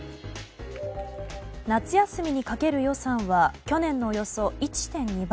夏休みにかける予算は去年のおよそ１．２倍。